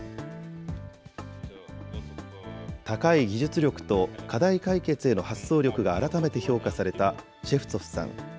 高い技術力と、課題解決への発想力が改めて評価されたシェフツォフさん。